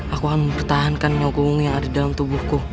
aku akan mempertahankan nogowungu yang ada dalam tubuhku